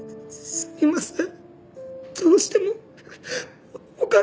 すいません。